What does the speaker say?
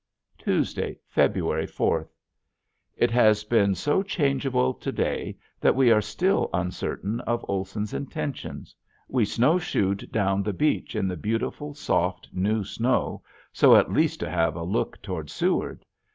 Tuesday, February fourth. It has been so changeable to day that we are still uncertain of Olson's intentions. We snowshoed down the beach in the beautiful, soft, new snow so at least to have a look toward Seward.